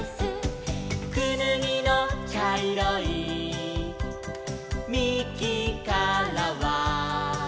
「くぬぎのちゃいろいみきからは」